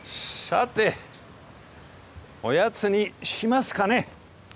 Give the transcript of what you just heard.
さておやつにしますかね。